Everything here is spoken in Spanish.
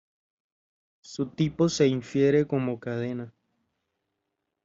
Su tipo se infiere como cadena.